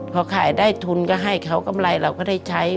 พอขายได้ทุนก็ให้เขากำไรเราก็ได้ใช้